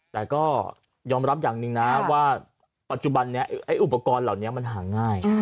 แต่ก็ยอมรับอย่างหนึ่งนะว่าปัจจุบันนี้ไอ้อุปกรณ์เหล่านี้มันหาง่าย